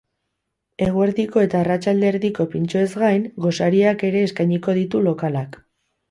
Eguerdiko eta arratsalde erdiko pintxoez gain, gosariak ere eskainiko ditu lokalak.